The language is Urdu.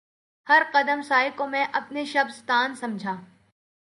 ہر قدم سائے کو میں اپنے شبستان سمجھا